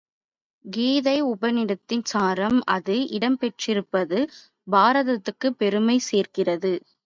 கீதை உபநிடதத்தின் சாரம் அது இடம் பெற்றிருப் பது பாரதத்துக்குப் பெருமை சேர்க்கிறது.